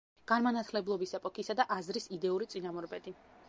განმანათლებლობის ეპოქისა და აზრის იდეური წინამორბედი.